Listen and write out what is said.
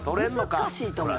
難しいと思う。